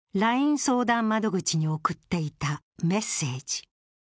相談窓口に送っていたメッセージ。